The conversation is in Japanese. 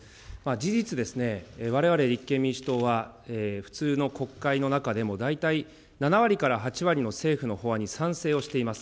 事実ですね、われわれ立憲民主党は、普通の国会の中でも大体７割から８割の政府の法案に賛成をしています。